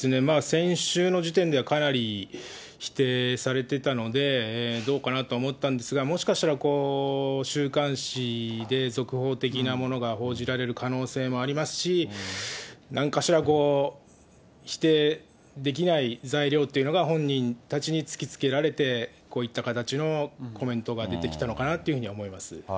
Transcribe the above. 先週の時点では、かなり否定されてたので、どうかなと思ったんですが、もしかしたら、週刊誌で続報的なものが報じられる可能性もありますし、なんかしらこう、否定できない材料というのが本人たちに突きつけられて、こういった形のコメントが出てきたのかなというふうには思います。